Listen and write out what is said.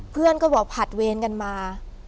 เพื่อนก็บอกผัดเวรกันมา